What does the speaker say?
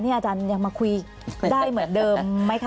อาจารย์ยังมาคุยได้เหมือนเดิมไหมคะ